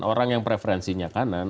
orang yang preferensinya kanan